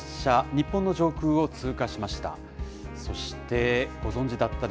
日本の上空を通過しました。